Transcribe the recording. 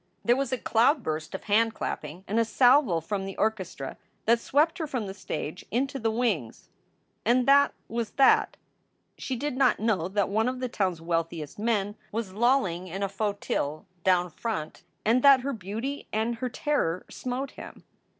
There was a cloudburst of handclapping and a salvo from the orchestra that swept her from the stage into the wings. And that was tnat ! She did not know that one of the town s wealthiest men was lolling in a fauteuil down front and that her beauty and her terror smote him.